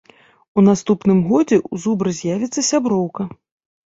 У наступным годзе ў зубра з'явіцца сяброўка.